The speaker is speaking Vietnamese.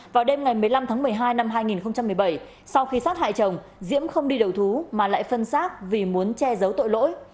vào đêm ngày một mươi năm tháng một mươi hai năm hai nghìn một mươi bảy sau khi sát hại chồng diễm không đi đầu thú mà lại phân xác vì muốn che giấu tội lỗi